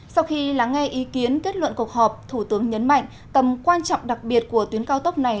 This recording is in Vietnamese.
sau khi lắng nghe ý kiến kết luận cuộc họp thủ tướng nhấn mạnh tầm quan trọng đặc biệt của tuyến cao tốc này